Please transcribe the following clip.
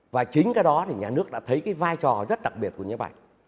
và chính cái đó thì nhà nước đã thấy cái vai trò rất đặc biệt của nhiếp ảnh